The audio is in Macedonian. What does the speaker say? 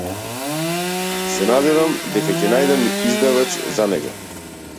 Се надевам дека ќе најдам издавач за него.